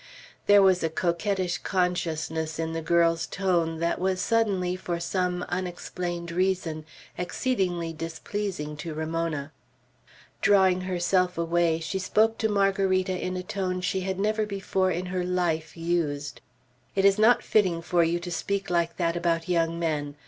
There was a coquettish consciousness in the girl's tone, that was suddenly, for some unexplained reason, exceedingly displeasing to Ramona. Drawing herself away, she spoke to Margarita in a tone she had never before in her life used. "It is not fitting to speak like that about young men.